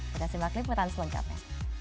kita simak liputan selanjutnya